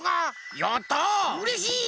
うれしい！